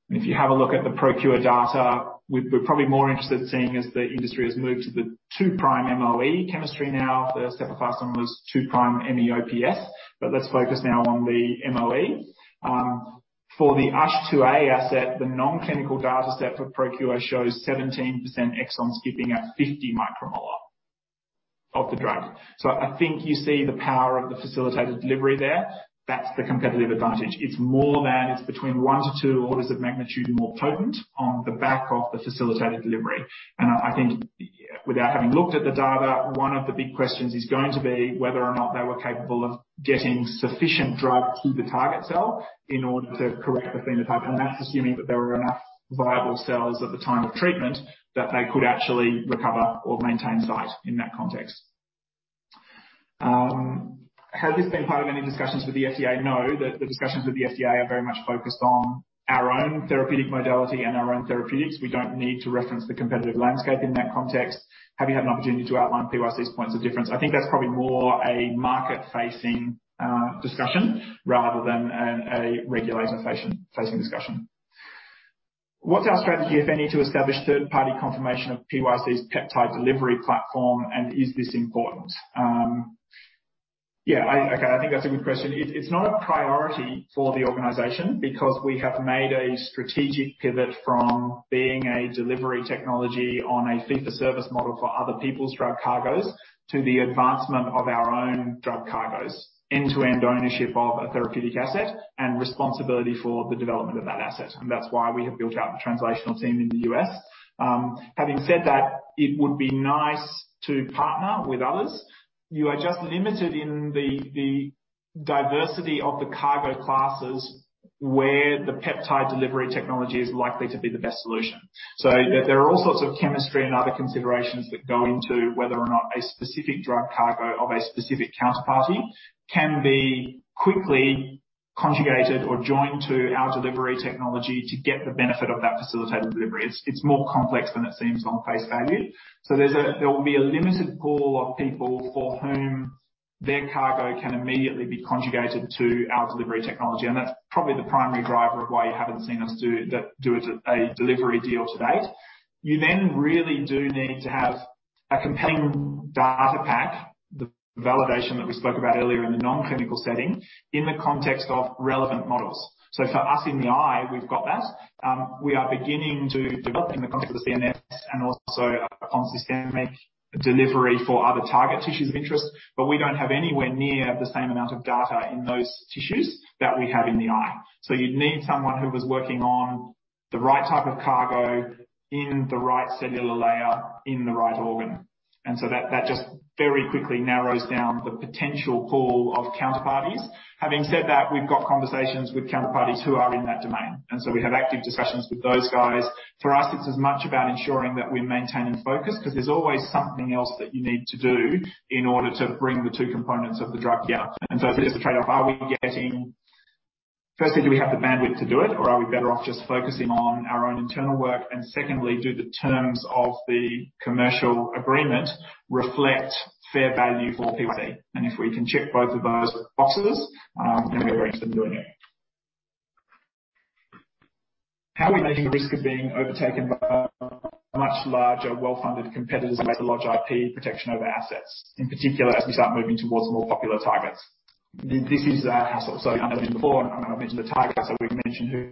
If you have a look at the ProQR data, we're probably more interested in seeing as the industry has moved to the 2'-MOE chemistry now. The sepofarsen was 2'-MOE PS, but let's focus now on the 2'-MOE. For the USH2A asset, the non-clinical data set for ProQR shows 17% exon skipping at 50 micromolar of the drug. I think you see the power of the facilitated delivery there. That's the competitive advantage. It's between one to two orders of magnitude more potent on the back of the facilitated delivery. I think, without having looked at the data, one of the big questions is going to be whether or not they were capable of getting sufficient drug to the target cell in order to correct the phenotype. That's assuming that there were enough viable cells at the time of treatment that they could actually recover or maintain sight in that context. Has this been part of any discussions with the FDA? No. The discussions with the FDA are very much focused on our own therapeutic modality and our own therapeutics. We don't need to reference the competitive landscape in that context. Have you had an opportunity to outline PYC's points of difference? I think that's probably more a market-facing discussion rather than a regulator-facing discussion. What's our strategy, if any, to establish third-party confirmation of PYC's peptide delivery platform, and is this important? Okay, I think that's a good question. It's not a priority for the organization because we have made a strategic pivot from being a delivery technology on a fee-for-service model for other people's drug cargos to the advancement of our own drug cargos. End-to-end ownership of a therapeutic asset and responsibility for the development of that asset, and that's why we have built out the translational team in the U.S. Having said that, it would be nice to partner with others. You are just limited in the diversity of the cargo classes where the peptide delivery technology is likely to be the best solution. There are all sorts of chemistry and other considerations that go into whether or not a specific drug cargo of a specific counterparty can be quickly conjugated or joined to our delivery technology to get the benefit of that facilitated delivery. It's more complex than it seems on face value. There will be a limited pool of people for whom their cargo can immediately be conjugated to our delivery technology, and that's probably the primary driver of why you haven't seen us do a delivery deal to date. You really do need to have a compelling data pack, the validation that we spoke about earlier in the non-clinical setting, in the context of relevant models. For us in the eye, we've got that. We are beginning to develop in the context of the CNS and also a consistent means of delivery for other target tissues of interest, but we don't have anywhere near the same amount of data in those tissues that we have in the eye. You'd need someone who was working on the right type of cargo in the right cellular layer in the right organ. That just very quickly narrows down the potential pool of counterparties. Having said that, we've got conversations with counterparties who are in that domain, and we have active discussions with those guys. For us, it's as much about ensuring that we maintain focus, 'cause there's always something else that you need to do in order to bring the two components of the drug together. There's a trade-off. Are we getting? Firstly, do we have the bandwidth to do it, or are we better off just focusing on our own internal work? Secondly, do the terms of the commercial agreement reflect fair value for PYC? If we can check both of those boxes, then we're interested in doing it. How are we mitigating the risk of being overtaken by much larger, well-funded competitors who have large IP protection over assets, in particular, as we start moving towards more popular targets? This is a hassle. As I mentioned before, and I've mentioned the target, so we've mentioned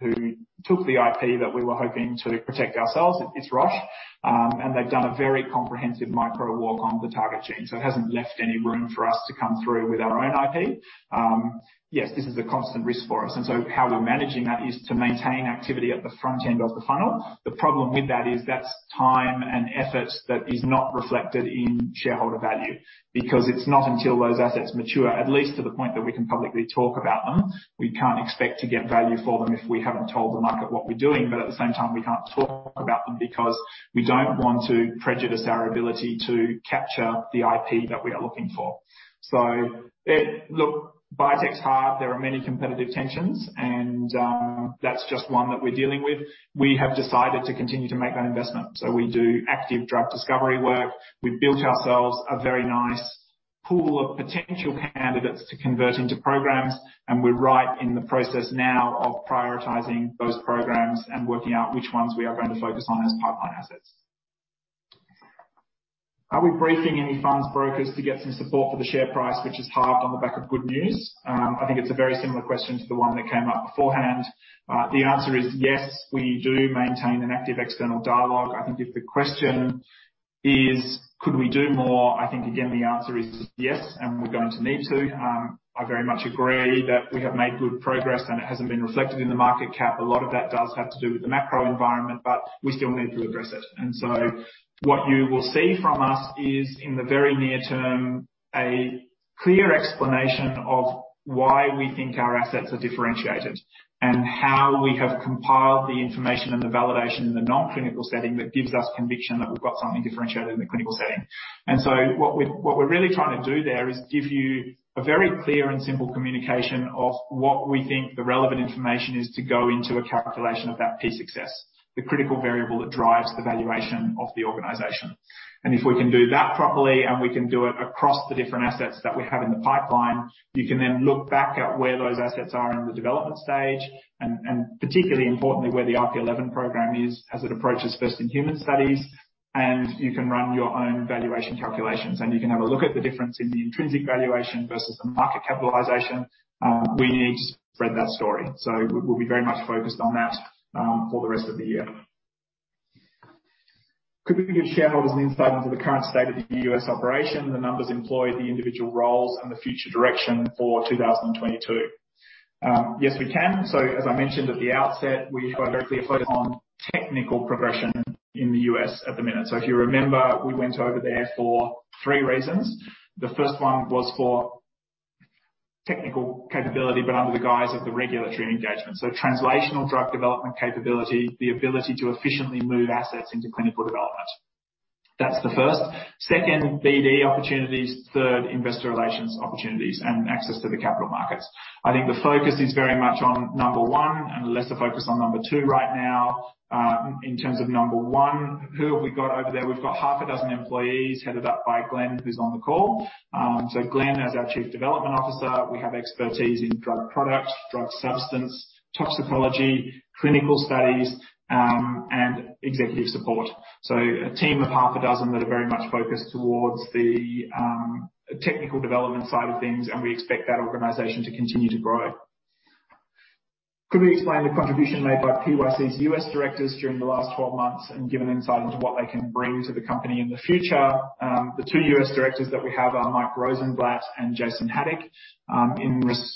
who took the IP that we were hoping to protect ourselves. It's Roche. They've done a very comprehensive microwalk on the target gene, so it hasn't left any room for us to come through with our own IP. Yes, this is a constant risk for us. How we're managing that is to maintain activity at the front end of the funnel. The problem with that is that's time and effort that is not reflected in shareholder value because it's not until those assets mature, at least to the point that we can publicly talk about them. We can't expect to get value for them if we haven't told the market what we're doing. At the same time, we can't talk about them because we don't want to prejudice our ability to capture the IP that we are looking for. Look, biotech's hard. There are many competitive tensions, and that's just one that we're dealing with. We have decided to continue to make that investment. We do active drug discovery work. We've built ourselves a very nice pool of potential candidates to convert into programs, and we're right in the process now of prioritizing those programs and working out which ones we are going to focus on as pipeline assets. Are we briefing any funds brokers to get some support for the share price, which is hard on the back of good news? I think it's a very similar question to the one that came up beforehand. The answer is yes, we do maintain an active external dialogue. I think if the question is, could we do more? I think, again, the answer is yes, and we're going to need to. I very much agree that we have made good progress, and it hasn't been reflected in the market cap. A lot of that does have to do with the macro environment, but we still need to address it. What you will see from us is, in the very near term, a clear explanation of why we think our assets are differentiated and how we have compiled the information and the validation in the non-clinical setting that gives us conviction that we've got something differentiated in the clinical setting. What we're really trying to do there is give you a very clear and simple communication of what we think the relevant information is to go into a calculation of that P success, the critical variable that drives the valuation of the organization. If we can do that properly, and we can do it across the different assets that we have in the pipeline, you can then look back at where those assets are in the development stage, and particularly importantly, where the RP11 program is as it approaches first-in-human studies. You can run your own valuation calculations, and you can have a look at the difference in the intrinsic valuation versus the market capitalization. We need to spread that story. We'll be very much focused on that for the rest of the year. Could we give shareholders an insight into the current state of the U.S. operation, the numbers employed, the individual roles, and the future direction for 2022? Yes, we can. As I mentioned at the outset, we are very clear focused on technical progression in the U.S. at the minute. If you remember, we went over there for three reasons. The first one was for technical capability, but under the guise of the regulatory engagement. Translational drug development capability, the ability to efficiently move assets into clinical development. That's the first. Second, BD opportunities. Third, investor relations opportunities and access to the capital markets. I think the focus is very much on number one and lesser focus on number two right now. In terms of number one, who have we got over there? We've got half a dozen employees headed up by Glenn, who's on the call. Glenn is our Chief Development Officer. We have expertise in drug products, drug substance, toxicology, clinical studies, and executive support. A team of half a dozen that are very much focused towards the technical development side of things, and we expect that organization to continue to grow. Could we explain the contribution made by PYC's U.S. directors during the last 12 months and give an insight into what they can bring to the company in the future? The two U.S. directors that we have are Mike Rosenblatt and Jason Haddock.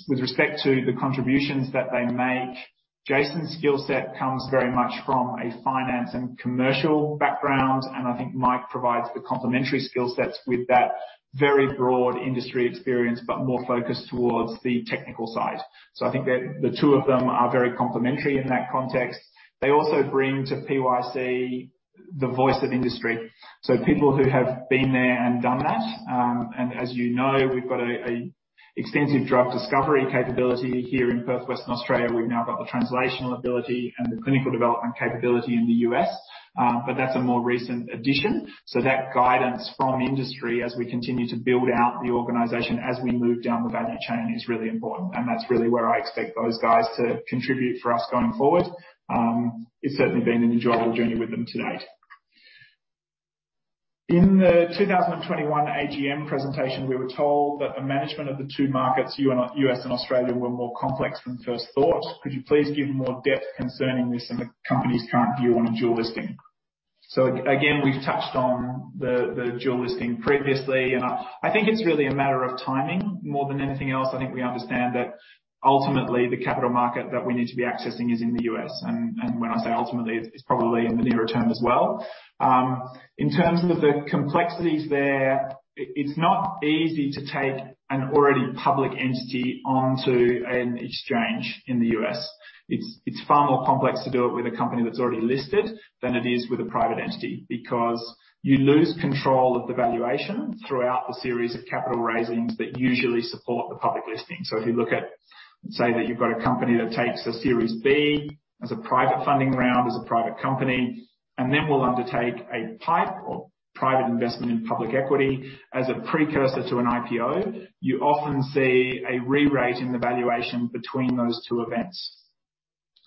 With respect to the contributions that they make, Jason's skill set comes very much from a finance and commercial background, and I think Mike provides the complementary skill sets with that very broad industry experience, but more focused towards the technical side. I think that the two of them are very complementary in that context. They also bring to PYC the voice of industry, so people who have been there and done that. As you know, we've got an extensive drug discovery capability here in Perth, Western Australia. We've now got the translational ability and the clinical development capability in the U.S., but that's a more recent addition. That guidance from industry as we continue to build out the organization, as we move down the value chain, is really important, and that's really where I expect those guys to contribute for us going forward. It's certainly been an enjoyable journey with them to date. In the 2021 AGM presentation, we were told that the management of the two markets, U.S. and Australia, were more complex than first thought. Could you please give more depth concerning this and the company's current view on a dual listing? Again, we've touched on the dual listing previously, and I think it's really a matter of timing more than anything else. I think we understand that ultimately the capital market that we need to be accessing is in the U.S. When I say ultimately, it's probably in the nearer term as well. In terms of the complexities there, it's not easy to take an already public entity onto an exchange in the U.S. It's far more complex to do it with a company that's already listed than it is with a private entity, because you lose control of the valuation throughout the series of capital raisings that usually support the public listing. If you look at, say that you've got a company that takes a series B as a private funding round, as a private company, and then will undertake a PIPE or private investment in public equity as a precursor to an IPO, you often see a re-rate in the valuation between those two events.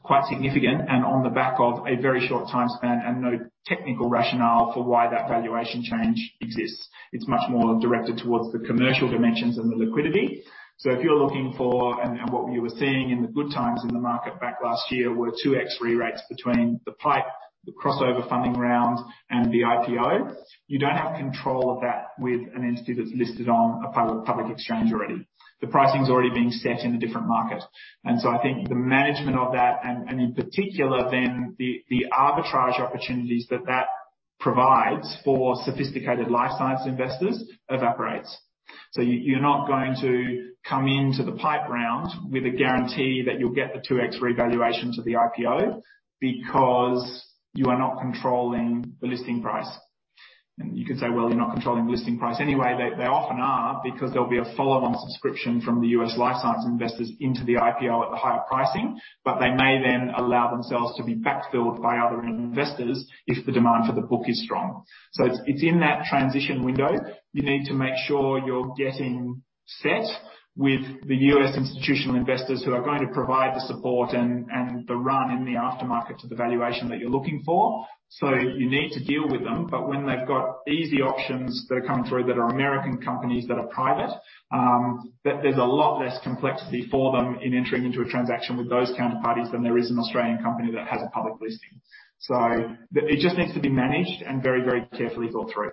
Quite significant and on the back of a very short time span and no technical rationale for why that valuation change exists. It's much more directed towards the commercial dimensions and the liquidity. If you're looking for, and what you were seeing in the good times in the market back last year were 2x re-rates between the PIPE, the crossover funding round, and the IPO. You don't have control of that with an entity that's listed on a public exchange already. The pricing's already been set in a different market. I think the management of that, and in particular then, the arbitrage opportunities that provides for sophisticated life science investors evaporates. You're not going to come into the PIPE round with a guarantee that you'll get the 2x revaluation to the IPO because you are not controlling the listing price. You could say, well, you're not controlling the listing price anyway. They often are because there'll be a follow-on subscription from the U.S. life science investors into the IPO at the higher pricing, but they may then allow themselves to be backfilled by other investors if the demand for the book is strong. It's in that transition window. You need to make sure you're getting set with the U.S. institutional investors who are going to provide the support and the run in the aftermarket to the valuation that you're looking for. You need to deal with them. When they've got easy options that are coming through that are American companies that are private, there's a lot less complexity for them in entering into a transaction with those counterparties than there is an Australian company that has a public listing. It just needs to be managed and very, very carefully thought through.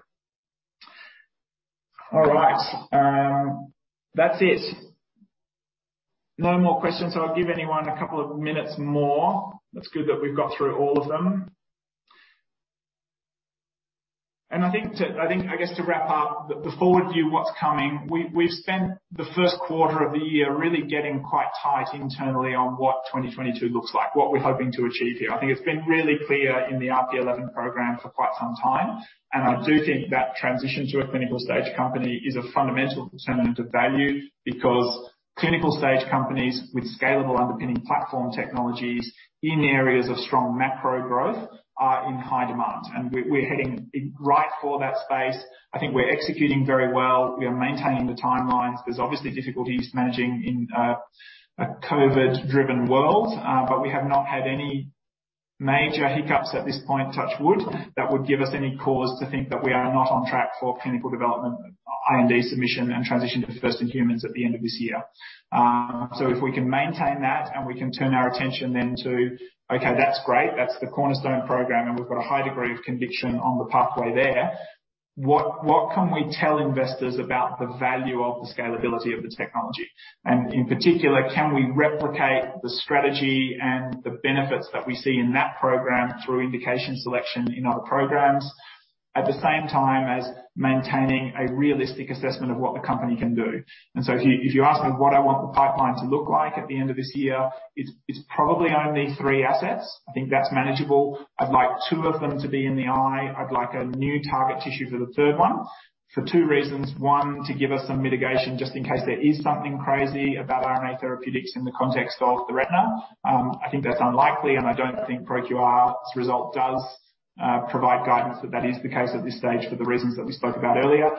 All right. That's it. No more questions, I'll give anyone a couple of minutes more. That's good that we've got through all of them. I think, I guess to wrap up the forward view, what's coming. We've spent the first quarter of the year really getting quite tight internally on what 2022 looks like, what we're hoping to achieve here. I think it's been really clear in the RP11 program for quite some time, and I do think that transition to a clinical stage company is a fundamental determinant of value because clinical stage companies with scalable underpinning platform technologies in areas of strong macro growth are in high demand. We're heading right for that space. I think we're executing very well. We are maintaining the timelines. There's obviously difficulties managing in a COVID driven world, but we have not had any major hiccups at this point, touch wood, that would give us any cause to think that we are not on track for clinical development, IND submission, and transition to first in humans at the end of this year. If we can maintain that and we can turn our attention then to, okay, that's great, that's the cornerstone program, and we've got a high degree of conviction on the pathway there. What can we tell investors about the value of the scalability of the technology? In particular, can we replicate the strategy and the benefits that we see in that program through indication selection in other programs? At the same time as maintaining a realistic assessment of what the company can do. If you ask me what I want the pipeline to look like at the end of this year, it's probably only three assets. I think that's manageable. I'd like two of them to be in the eye. I'd like a new target tissue for the third one for two reasons. One, to give us some mitigation just in case there is something crazy about RNA therapeutics in the context of the retina. I think that's unlikely, and I don't think ProQR's result does provide guidance that that is the case at this stage for the reasons that we spoke about earlier.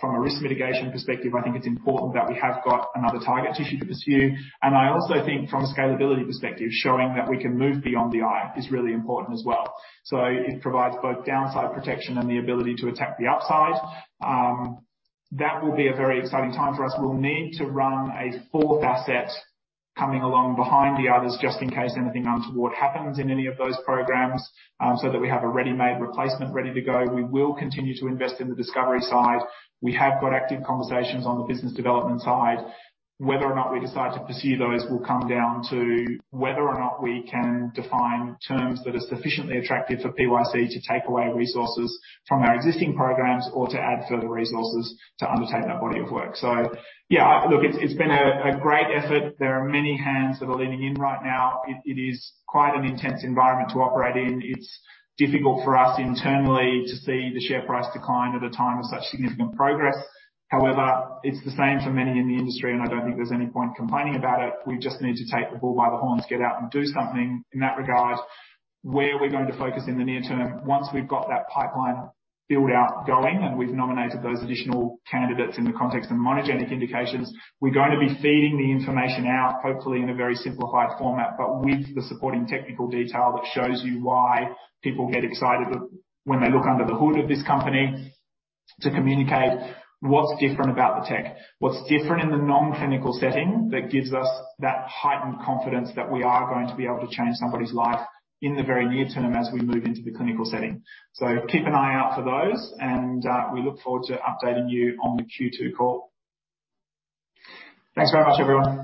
From a risk mitigation perspective, I think it's important that we have got another target tissue to pursue. I also think from a scalability perspective, showing that we can move beyond the eye is really important as well. It provides both downside protection and the ability to attack the upside. That will be a very exciting time for us. We'll need to run a fourth asset coming along behind the others just in case anything untoward happens in any of those programs, so that we have a ready-made replacement ready to go. We will continue to invest in the discovery side. We have got active conversations on the business development side. Whether or not we decide to pursue those will come down to whether or not we can define terms that are sufficiently attractive for PYC to take away resources from our existing programs or to add further resources to undertake that body of work. Yeah, look, it's been a great effort. There are many hands that are leaning in right now. It is quite an intense environment to operate in. It's difficult for us internally to see the share price decline at a time of such significant progress. However, it's the same for many in the industry, and I don't think there's any point complaining about it. We just need to take the bull by the horns, get out and do something in that regard. Where are we going to focus in the near term? Once we've got that pipeline build-out going, and we've nominated those additional candidates in the context of monogenic indications, we're going to be feeding the information out, hopefully in a very simplified format, but with the supporting technical detail that shows you why people get excited when they look under the hood of this company to communicate what's different about the tech, what's different in the non-clinical setting that gives us that heightened confidence that we are going to be able to change somebody's life in the very near term as we move into the clinical setting. Keep an eye out for those, and we look forward to updating you on the Q2 call. Thanks very much, everyone.